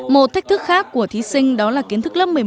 một thách thức khác của thí sinh đó là kiến thức lớp một mươi một được đưa